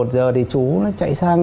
thì chú nó chạy sang